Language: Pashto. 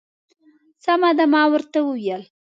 سمه ده. ما ورته وویل.